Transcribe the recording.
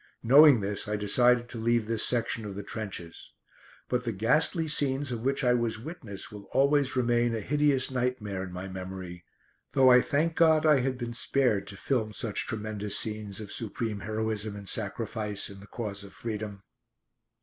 Knowing this I decided to leave this section of the trenches. But the ghastly scenes of which I was witness will always remain a hideous nightmare in my memory, though I thank God I had been spared to film such tremendous scenes of supreme heroism and sacrifice in the cause of freedom.